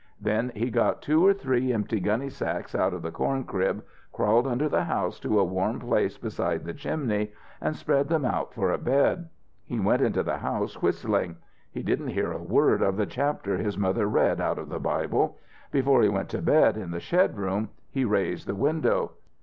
Then he got two or three empty gunnysacks out of the corncrib, crawled under the house to a warm place beside the chimney and spread them out for a bed. He went into the house whistling; he didn't hear a word of the chapter his mother read out of the Bible. Before he went to bed in the shed room, he raised the window.